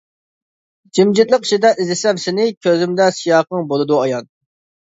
جىمجىتلىق ئىچىدىن ئىزدىسەم سېنى، كۆزۈمدە سىياقىڭ بولىدۇ ئايان.